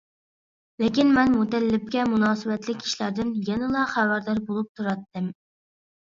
لېكىن مەن مۇتەللىپكە مۇناسىۋەتلىك ئىشلاردىن يەنىلا خەۋەردار بولۇپ تۇراتتىم.